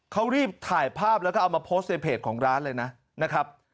เขารีบถ่ายภาพแล้วก็เอามาโพสต์ในเพจของร้านเลยนะครับ